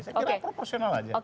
saya kira proportional aja